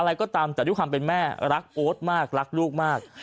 อะไรก็ตามแต่ด้วยความเป็นแม่รักโอ๊ตมากรักลูกมาก